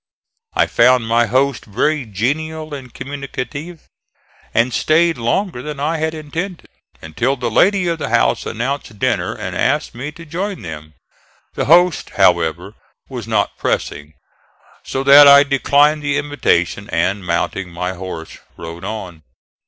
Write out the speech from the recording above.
I found my host very genial and communicative, and staid longer than I had intended, until the lady of the house announced dinner and asked me to join them. The host, however, was not pressing, so that I declined the invitation and, mounting my horse, rode on.